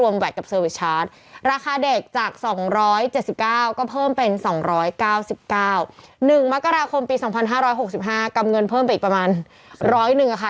๑มกราคมปี๒๕๖๕กำเงินเพิ่มไปอีกประมาณร้อยหนึ่งค่ะ